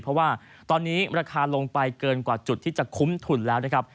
เพราะว่าตอนนี้ราคาลงไปเกินกว่าจุดที่จะคุ้มทุนแล้วนะครับ